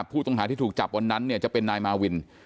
ผู้ต้องหาที่ถูกจับวันนั้นเนี่ยจะเป็นนายมาวิน